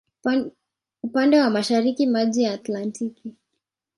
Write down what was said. Upande wa mashariki maji ya Atlantiki.